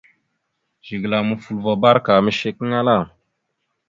Zigəla mofoləvoro barəka ameshekeŋala.